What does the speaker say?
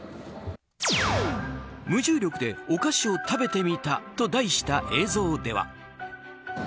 「無重力でお菓子を食べてみた」と題した映像では。